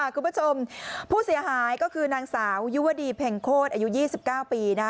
คุณผู้ชมผู้เสียหายก็คือนางสาวยุวดีเพ็งโคตรอายุ๒๙ปี